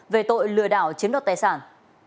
về tội lừa đảo chiến đoạt tài sản